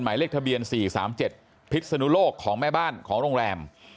หมายเลขทะเบียน๔๓๗พิศนุโลกของแม่บ้านของโรงแรม